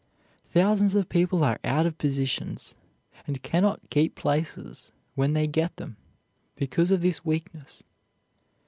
Thousands of people are out of positions, and cannot keep places when they get them, because of this weakness.